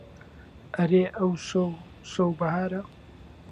ئەرێ ئەوشەو شەو بەهارە